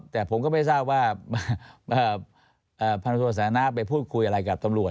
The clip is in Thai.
แต่ผมก็ไม่ทราบว่าพันธุสานะไปพูดคุยอะไรกับตำรวจ